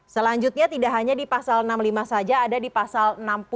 selanjutnya tidak hanya di pasal enam puluh lima saja ada di pasal enam puluh